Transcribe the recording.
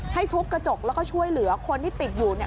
ให้ทุบกระจกช่วยเหลือคนที่ติดอยู่ข้างในนะ